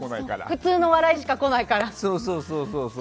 普通の笑いしか来ないから。